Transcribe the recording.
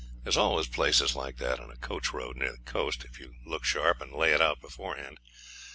There's always places like that in a coach road near the coast, if you look sharp and lay it out beforehand.